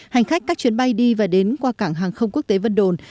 hành khách các chuyến bay đi và đến qua cảng hàng không quốc tế vân đồn